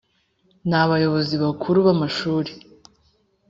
n abayobozi bakuru b amashuri